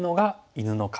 犬の顔。